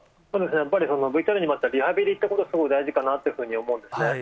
やっぱりＶＴＲにもあった、リハビリっていうことがすごく大事かなと思うんですね。